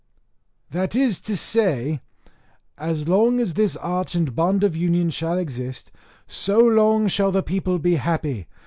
That is to say, "As long as this arch and bond of union shall exist, so long shall the people be happy.